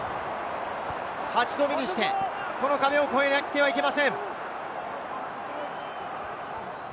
８度目にして、この壁を越えなくてはいけません。